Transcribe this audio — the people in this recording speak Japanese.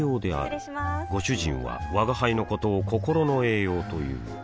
失礼しまーすご主人は吾輩のことを心の栄養という